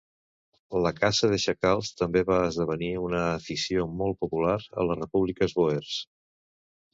La caça de xacals també va esdevenir una afició molt popular a les Repúbliques Bòers.